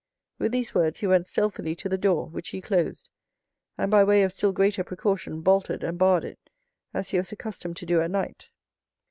With these words he went stealthily to the door, which he closed, and, by way of still greater precaution, bolted and barred it, as he was accustomed to do at night.